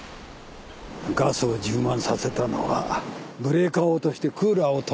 ガスを充満させたのはブレーカーを落としてクーラーを止めさせるため。